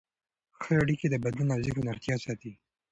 ښه اړیکې د بدن او ذهن روغتیا ساتي.